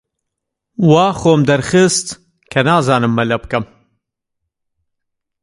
وا خۆم دەرخست کە نازانم مەلە بکەم.